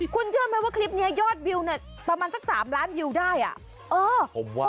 คุณเชื่อไหมว่าคลิปนี้ยอดวิวเนี่ยประมาณสัก๓ล้านวิวได้อ่ะ